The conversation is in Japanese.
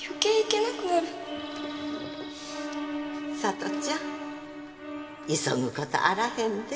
さとちゃん急ぐ事あらへんで。